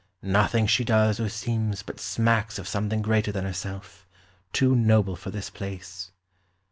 "Nothing she does or seems but smacks of something greater than herself, too noble for this place."